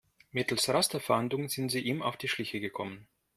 Mittels Rasterfahndung sind sie ihm auf die Schliche gekommen.